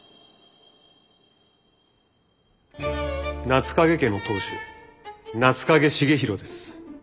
夏影家の当主夏影重弘です。